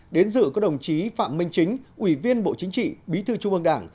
đến dự có đồng chí phạm minh chính ủy viên bộ chính trị bí thư trung ương đảng